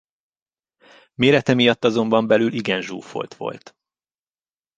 Mérete miatt azonban belül igen zsúfolt volt.